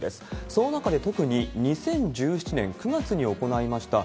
そんな中で、特に２０１７年９月に行いました